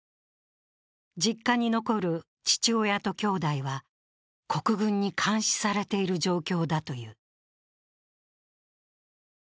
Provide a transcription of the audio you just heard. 実家に残る父親と兄弟は、国軍に監視されている状況だという。